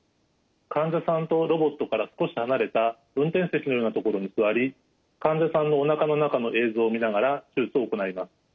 患者さんとロボットから少し離れた運転席のような所に座り患者さんのおなかの中の映像を見ながら手術を行います。